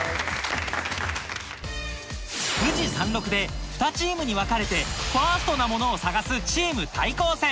富士山麓で２チームに分かれてＦＩＲＳＴなものを探すチーム対抗戦